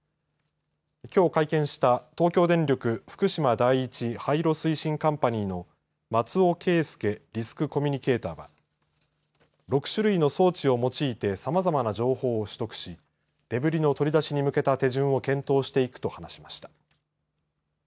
きょう、会見した東京電力福島第一廃炉推進カンパニーの松尾桂介リスクコミュニケーターは６種類の装置を用いてさまざまな情報を取得しデブリの取り出しに向けた手順を検討していくと話しました。